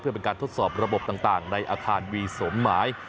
เพื่อเป็นการทดสอบระบบต่างในอาคารวีสมหมาย